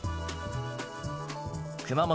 熊本